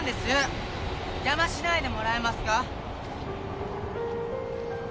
邪魔しないでもらえますか。